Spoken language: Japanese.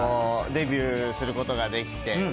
デビューすることができて。